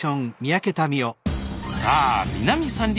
さあ南三陸